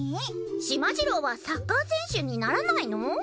しまじろうはサッカー選手にならないの？